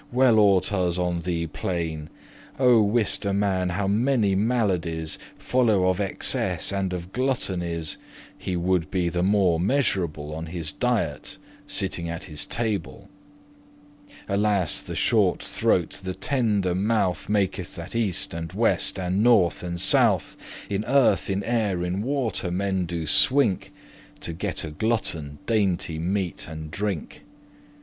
well ought us on thee plain. Oh! wist a man how many maladies Follow of excess and of gluttonies, He woulde be the more measurable* *moderate Of his diete, sitting at his table. Alas! the shorte throat, the tender mouth, Maketh that east and west, and north and south, In earth, in air, in water, men do swink* *labour To get a glutton dainty meat and drink.